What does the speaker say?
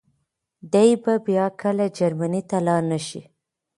دی به بيا کله جرمني ته لاړ نه شي.